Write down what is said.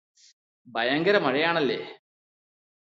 ഭയങ്കര മഴയാണല്ലേ?